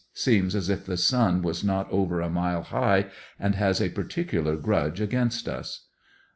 Seems as if the sun was not over a mile high, and has a particular grudge a^iainst us.